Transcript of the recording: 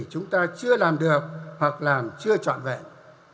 chúng ta chưa làm được hoặc làm chưa trọn vẹn